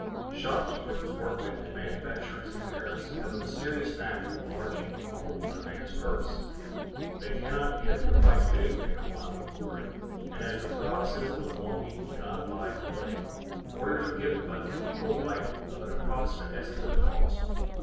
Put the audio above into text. Shopkeepers, workmen, and manufacturers in Paris have a mysterious knack of enlarging a hole in a man's purse. They cannot give the price of anything upon inquiry; and as the paroxysm of longing cannot abide delay, orders are given by the feeble light of an approximate estimate of cost.